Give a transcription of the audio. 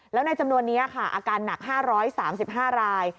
แล้วในจำนวนนี้ค่ะอาการหนัก๕๓๕ราย